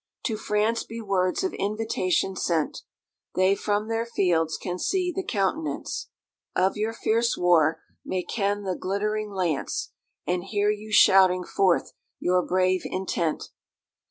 To France be words of invitation sent! They from their fields can see the countenance Of your fierce war, may ken the glittering lance, And hear you shouting forth your brave intent.